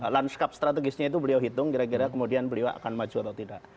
landskap strategisnya itu beliau hitung kira kira kemudian beliau akan maju atau tidak